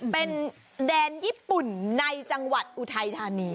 เป็นแดนญี่ปุ่นในจังหวัดอุทัยธานี